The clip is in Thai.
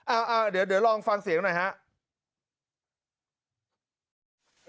อ่าเอาลองฟังเสียงหน่อยครับ